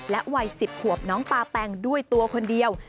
วัย๑๐ขวบน้องปาแปงด้วยตัวคนเดียว